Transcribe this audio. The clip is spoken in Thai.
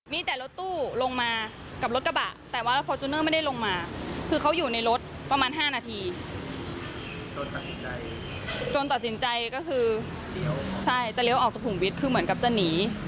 มีแต่รถตู้ลงมากับรถกระบะแต่ว่าฟอร์จูเนอร์ไม่ได้ลงมาคือเขาอยู่ในรถประมาณ๕นาทีจนตัดสินใจก็คือใช่จะเลี้ยวออกสุขุมวิทย์คือเหมือนกับจะหนี